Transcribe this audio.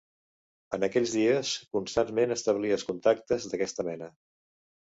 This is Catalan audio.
En aquells dies, constantment establies contactes d'aquesta mena.